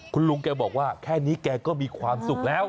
คุณลุงแกบอกว่าแค่นี้แกก็มีความสุขแล้ว